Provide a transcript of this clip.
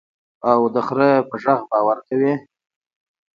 او د خر په غږ باور کوې.